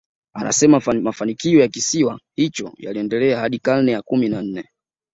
Anasema mafanikio ya kisiwa hicho yaliendelea hadi karne ya kumi na nne